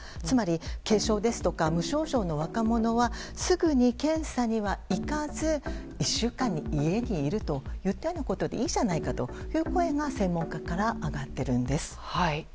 つまり、軽症や無症状の若者はすぐに検査には行かず、１週間家にいるといったようなことでいいじゃないかという声が専門家から上がっているんです。